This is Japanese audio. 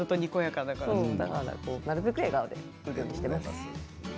なるべく笑顔でいるようにしています。